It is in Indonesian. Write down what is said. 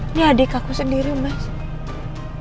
ini adik aku sendiri mas